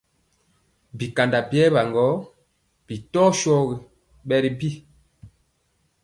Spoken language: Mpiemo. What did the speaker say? Bi kanda biewa gɔ bi ntoŋgɔ bɛ ri bi.